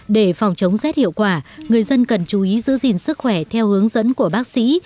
để phòng chống rét hiệu quả người dân cần chú ý giữ gìn sức khỏe theo hướng dẫn của bác sĩ